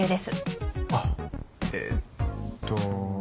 あっえっと。